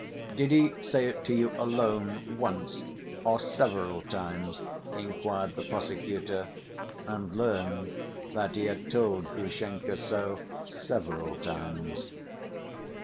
"Did he say it to you alone once, or several times?" inquired the prosecutor, and learned that he had told Grushenka so several times.